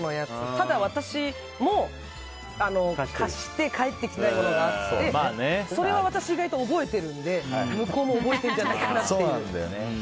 ただ私も貸して返ってきてないものがあってそれは私、意外と覚えてるんで向こうも覚えてるんじゃないかなっていう。